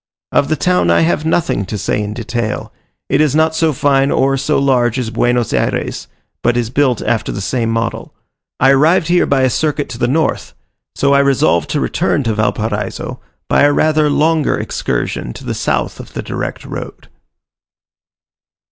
Of the town I have nothing to say in detail: it is not so fine or so large as Buenos Ayres, but is built after the same model. I arrived here by a circuit to the north; so I resolved to return to Valparaiso by a rather longer excursion to the south of the direct road.